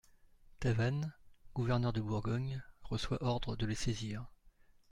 Tavannes, gouverneur de Bourgogne, reçoit ordre de les saisir.